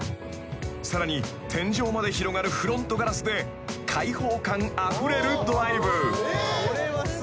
［さらに天井まで広がるフロントガラスで開放感あふれるドライブ］